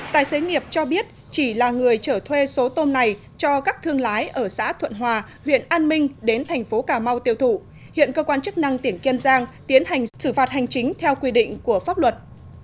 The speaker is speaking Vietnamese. tài xế nghiệp cho biết chỉ là người trở thuê số tôm này cho các thương lái ở xã thuận hòa huyện an minh đến thành phố cà mau tiêu thụ hiện cơ quan chức năng tỉnh kiên giang tiến hành xử phạt hành chính theo quy định của pháp luật